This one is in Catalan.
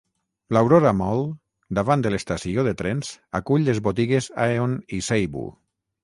L'Aurora Mall, davant de l'estació de trens, acull les botigues Aeon i Seibu.